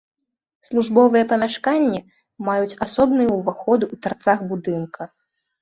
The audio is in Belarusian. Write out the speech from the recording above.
Службовыя памяшканні маюць асобныя ўваходы ў тарцах будынка.